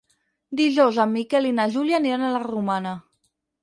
Dijous en Miquel i na Júlia aniran a la Romana.